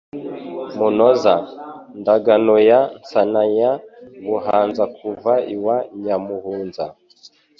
Munoza-ndaganoya Nsanaya Buhanzakuva iwa Nyamuhunza